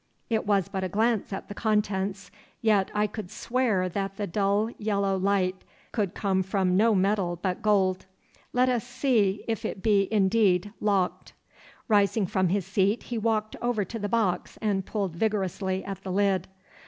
It was but a glance at the contents, yet I could swear that that dull yellow light could come from no metal but gold. Let us see if it be indeed locked.' Rising from his seat he walked over to the box and pulled vigorously at the lid.